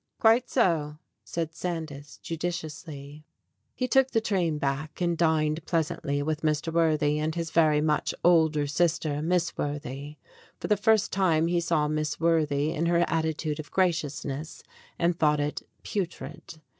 "Quite so," said Sandys judiciously. He took the train back, and dined pleasantly with Mr. Worthy and his very much older sister, Miss Worthy. For the first time he saw Miss Worthy in her attitude of graciousness, and thought it putrid.